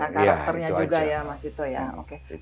bisa sesuaikan karakternya juga ya mas tito ya